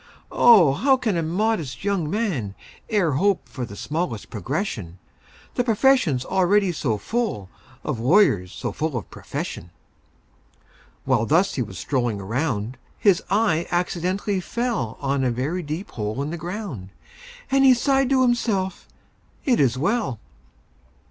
"O, how can a modest young man E'er hope for the smallest progression,— The profession's already so full Of lawyers so full of profession!" While thus he was strolling around, His eye accidentally fell On a very deep hole in the ground, And he sighed to himself, "It is well!"